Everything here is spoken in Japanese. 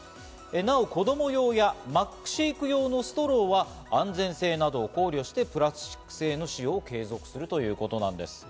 なお子供用やマックシェイク用のストローは安全性などを考慮してプラスチック製の使用を継続するということなんです。